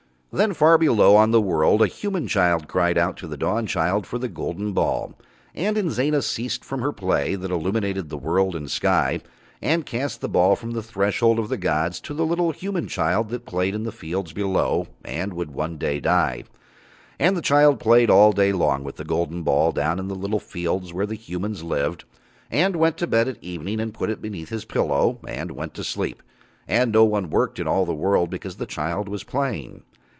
Then far below on the world a human child cried out to the Dawnchild for the golden ball, and Inzana ceased from her play that illumined world and sky, and cast the ball from the Threshold of the gods to the little human child that played in the fields below, and would one day die. And the child played all day long with the golden ball down in the little fields where the humans lived, and went to bed at evening and put it beneath his pillow, and went to sleep, and no one worked in all the world because the child was playing.